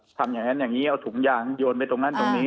ทำอย่างนั้นอย่างนี้เอาถุงยางโยนไปตรงนั้นตรงนี้